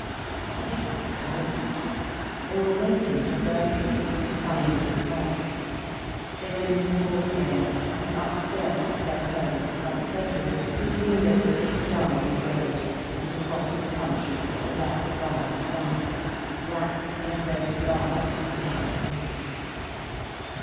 But it was cold. They were waiting for Birkin, who was coming with the car. They went indoors again, and upstairs to their parents' front bedroom, whose windows looked down on the road, and across the country at the black barred sunset, black and red barred, without light.